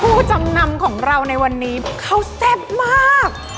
ผู้จำนำของเราในวันนี้เขาแซ่บมาก